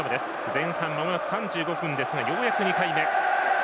前半まもなく３５分ですがようやく２回目。